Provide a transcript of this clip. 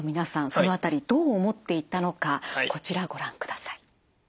その辺りどう思っていたのかこちらご覧ください。